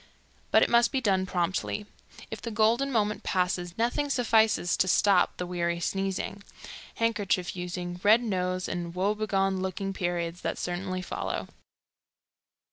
But it must be done promptly. If the golden moment passes, nothing suffices to stop the weary sneezing, handkerchief using, red nose and woe begone looking periods that certainly follow.